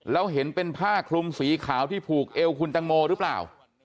แล้วเห็นเป็นผ้าคลุมสีขาวที่ผูกเอวคุณตังโมหรือเปล่า